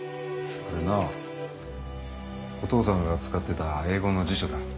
これはなお父さんが使ってた英語の辞書だ。